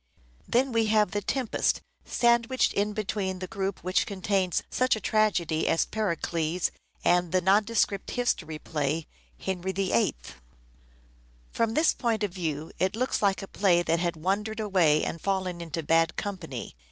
Then we have " The Tempest " sandwiched in between 503 504 " SHAKESPEARE " IDENTIFIED the group which contains such a tragedy as " Pericles " and the nondescript history play " Henry VIII." From this point of view it looks like a play that had wandered away and fallen into bad company.